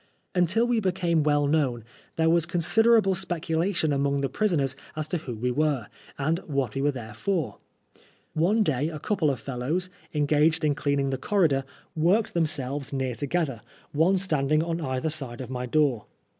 Until we became well known, there was considerable speculation among the prisoners as to who we were, and what we were there for. One day a couple of fellows, engaged in cleaning the corridor, worked themselves near together, one standing on either side of my door.